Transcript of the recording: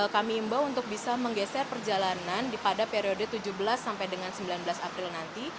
kami imbau untuk bisa menggeser perjalanan pada periode tujuh belas sampai dengan sembilan belas april nanti